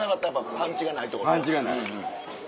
パンチがない。